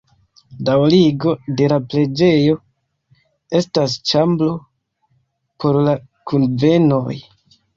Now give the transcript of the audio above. Daŭrigo de la preĝejo estas ĉambro por la kunvenoj.